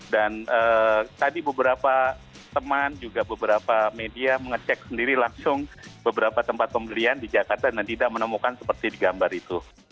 dan tadi beberapa teman juga beberapa media mengecek sendiri langsung beberapa tempat pembelian di jakarta dan tidak menemukan seperti di gambar itu